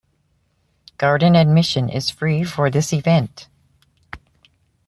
Garden admission is free for this event.